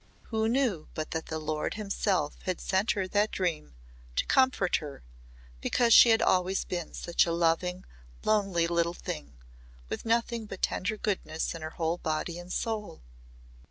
Who knew but that the Lord himself had sent her that dream to comfort her because she had always been such a loving, lonely little thing with nothing but tender goodness in her whole body and soul?